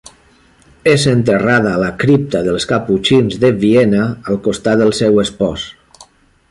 És enterrada a la Cripta dels caputxins de Viena al costat del seu espòs.